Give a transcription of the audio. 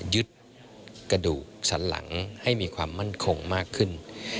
ยึดกระดูกสันหลังให้มีความมั่นคงมากขึ้น